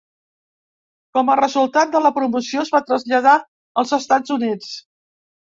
Com a resultat de la promoció, es va traslladar als Estats Units.